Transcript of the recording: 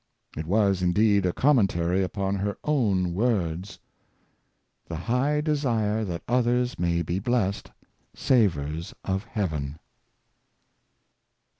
It was indeed a commentary upon her own words: " The high desire that others may be blest Savors of Heaven."